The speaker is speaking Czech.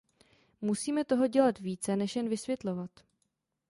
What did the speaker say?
Musíme toho dělat více než jen vysvětlovat.